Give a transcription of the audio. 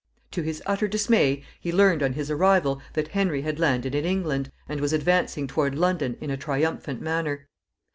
To his utter dismay, he learned, on his arrival, that Henry had landed in England, and was advancing toward London in a triumphant manner.